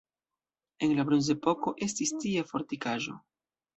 En la bronzepoko estis tie fortikaĵo.